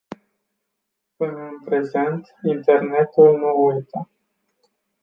Până în prezent, internetul nu uită.